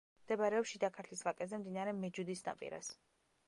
მდებარეობს შიდა ქართლის ვაკეზე, მდინარე მეჯუდის ნაპირას.